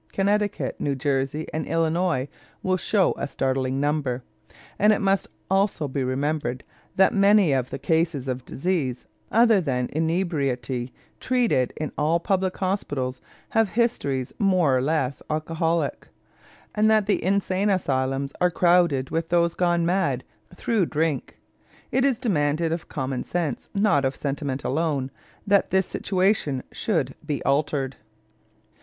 Connecticut, New Jersey, and Illinois will show a startling number. And it must also be remembered that many of the cases of disease other than inebriety treated in all public hospitals have histories more or less alcoholic, and that the insane asylums are crowded with those gone mad through drink. It is the demand of common sense, not of sentiment alone, that this situation should be altered.